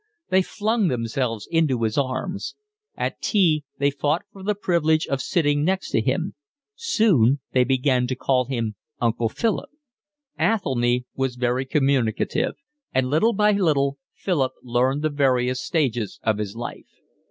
They flung themselves into his arms. At tea they fought for the privilege of sitting next to him. Soon they began to call him Uncle Philip. Athelny was very communicative, and little by little Philip learned the various stages of his life.